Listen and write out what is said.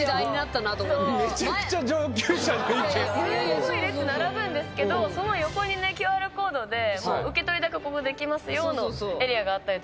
すごい列並ぶんですけどその横にねＱＲコードで受け取りだけできますよのエリアがあったりして。